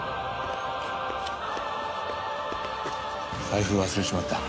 財布忘れちまった。